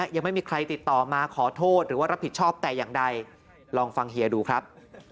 ยังไม่มีใครติดต่อมาขอโทษหรือว่ารับผิดชอบแต่อย่างใดลองฟังเฮียดูครับ